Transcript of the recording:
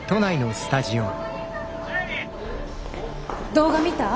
動画見た？